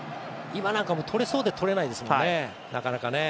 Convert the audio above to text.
今なんかも取れそうで取れないですもんね、なかなか。